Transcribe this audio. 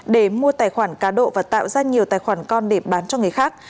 để mua tài khoản cá độ và tạo ra nhiều tài khoản con để bán cho người khác